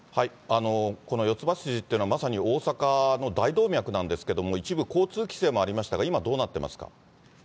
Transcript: この四ツ橋筋というのは、まさに大阪の大動脈なんですけれども、一部交通規制もありましたが、今、どうなっていますか？